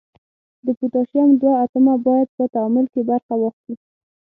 د پوتاشیم دوه اتومه باید په تعامل کې برخه واخلي.